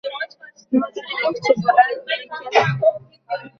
Nimadir demoqchi bo’laru lekin